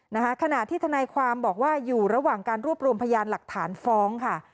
นะคะขณะที่ทนายความบอกว่าอยู่ระหว่างการรวบรวมพยานหลักฐานฟ้องค่ะ